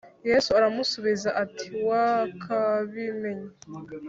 Yesu aramusubiza ati “Wakabimenye